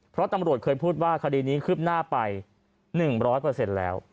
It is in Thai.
เพราะตำรวจเคยพูดว่าคดีนี้คืบหน้าไป๑๐๐แล้ว